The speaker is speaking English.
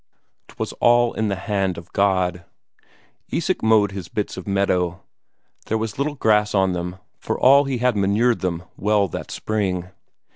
'Twas all in the hand of God. Isak mowed his bits of meadow; there was little grass on them for all he had manured them well that spring.